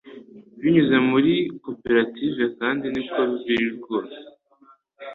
binyuze muri koperative kandi niko biri rwose